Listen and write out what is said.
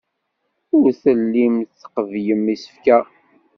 Ur tellim tqebblem isefka.